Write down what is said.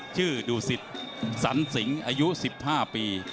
ชื่อดูสิตสันสิงอายุ๑๕ปี